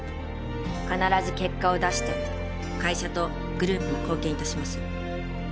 必ず結果を出して会社とグループに貢献いたします